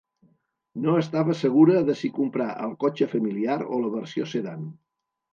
No estava segura de si comprar el cotxe familiar o la versió sedan